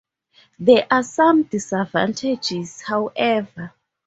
There are some disadvantages, however.